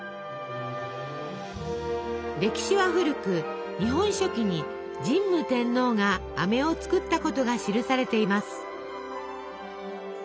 歴史は古く「日本書紀」に神武天皇があめを作ったことが記されています。